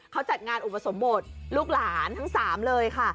เขาจัดงานอุปสมบทลูกหลานทั้ง๓เลยค่ะ